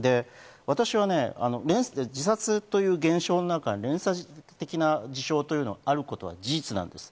私は自殺という連鎖的な事象というのあることは事実なんです。